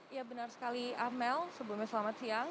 ya benar sekali amel sebelumnya selamat siang